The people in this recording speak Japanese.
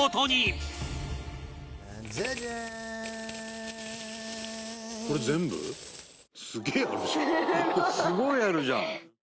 伊達：すごいあるじゃん！